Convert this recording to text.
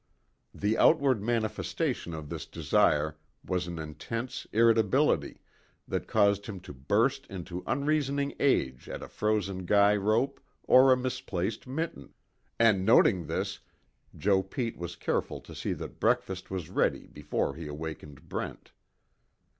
The outward manifestation of this desire was an intense irritability, that caused him to burst into unreasoning rage at a frozen guy rope or a misplaced mitten, and noting this, Joe Pete was careful to see that breakfast was ready before he awakened Brent.